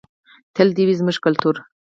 تل دې وي زموږ کلتور.